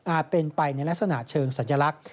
เป็นไปในลักษณะเชิงสัญลักษณ์